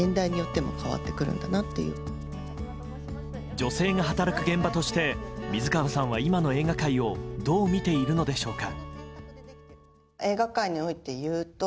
女性が働く現場として水川さんは今の映画界をどう見ているのでしょうか。